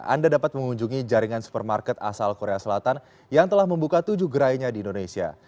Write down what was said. anda dapat mengunjungi jaringan supermarket asal korea selatan yang telah membuka tujuh gerainya di indonesia